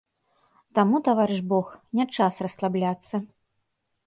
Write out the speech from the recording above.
Таму, таварыш бог, не час расслабляцца!